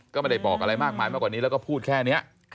ก็ไม่ได้บอกอะไรมากมายมากกว่านี้แล้วก็พูดแค่นี้